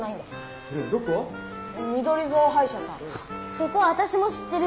そこわたしも知ってる！